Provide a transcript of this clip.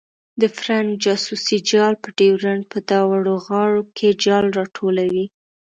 د فرنګ جاسوسي جال په ډیورنډ په دواړو غاړو کې جال راټولوي.